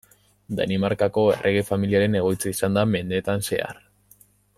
Danimarkako errege familiaren egoitza izan da mendeetan zehar.